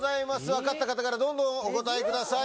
分かった方からどんどんお答えください。